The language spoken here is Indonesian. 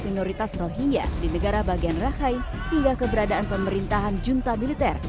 minoritas rohingya di negara bagian rakhine hingga keberadaan pemerintahan junta militer